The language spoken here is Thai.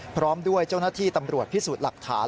พร้อมด้วยเจ้าหน้าที่ตำรวจพิสูจน์หลักฐาน